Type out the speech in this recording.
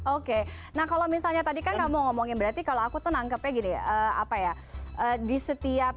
oke nah kalau misalnya tadi kan kamu ngomongin berarti kalau aku tuh nangkepnya gini apa ya di setiap